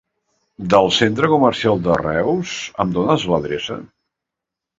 Del centre comercial de Reus em dones l'adreça?